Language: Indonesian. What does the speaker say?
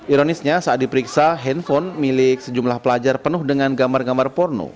ironisnya saat diperiksa handphone milik sejumlah pelajar penuh dengan gambar gambar porno